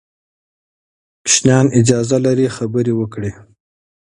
ماشومان اجازه لري خبرې وکړي.